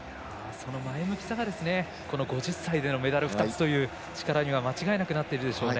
前向きさが５０歳でのメダル２つの力に間違いなくなっているでしょうね。